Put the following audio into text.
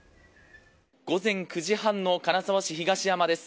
午前９時半の金沢市東山です。